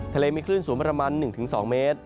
ทะเลมีคลื่นสูงประมาณ๑๒เมตร